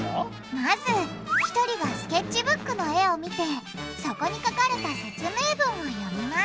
まず１人がスケッチブックの絵を見てそこに書かれた説明文を読みます。